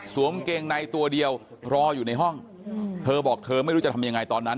เกงในตัวเดียวรออยู่ในห้องเธอบอกเธอไม่รู้จะทำยังไงตอนนั้น